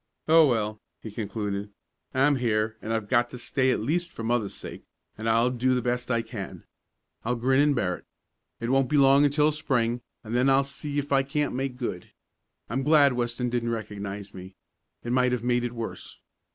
"Oh, well!" he concluded. "I'm here, and I've got to stay at least for mother's sake, and I'll do the best I can. I'll grin and bear it. It won't be long until Spring, and then I'll see if I can't make good. I'm glad Weston didn't recognize me. It might have made it worse.